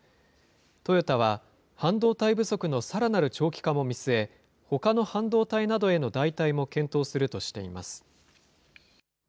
トヨタは半導体不足のさらなる長期化も見据え、ほかの半導体などへの代替も検討するとしています。